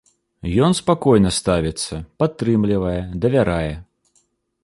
Ён спакойна ставіцца, падтрымлівае, давярае.